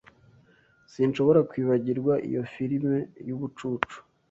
Sinshobora kwibagirwa iyo firime yubucucu